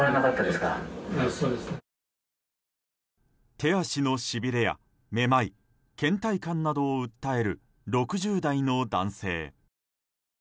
手足のしびれや、めまい倦怠感などを訴える６０代の男性。